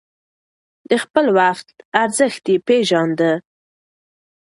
د خپل وخت ارزښت يې پېژانده.